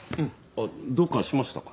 あっどうかしましたか？